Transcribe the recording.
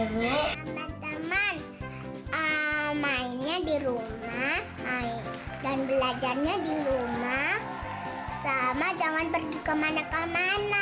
sama teman mainnya di rumah dan belajarnya di rumah sama jangan pergi kemana kemana